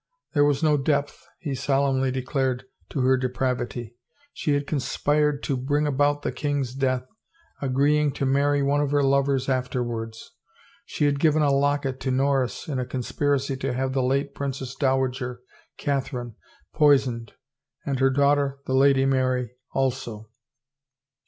There was no depth, he solemnly declared, to her depravity. She had conspired to bring about the king's death, agree ing to marry one of her lovers afterwards; she had given a locket to Norris in a conspiracy to have the late Princess Dowager, Catherine, poisoned and her daugh ter, the Lady Mary, also.